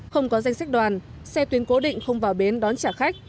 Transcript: không có danh sách đoàn xe tuyến cố định không vào bến đón trả khách